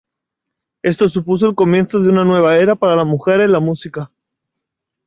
Esto supuso el comienzo de una nueva era para las mujeres en la música.